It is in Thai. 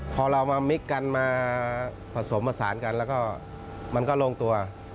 พอเรามามิกกันมาผสมผสานกันแล้วก็มันก็ลงตัว